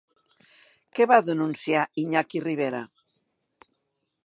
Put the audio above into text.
Què va denunciar Iñaki Rivera?